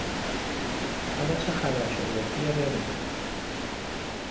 حالا چه خبر شده! بیا بریم!